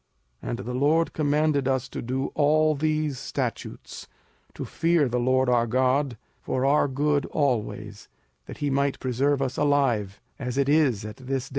05:006:024 And the LORD commanded us to do all these statutes, to fear the LORD our God, for our good always, that he might preserve us alive, as it is at this day.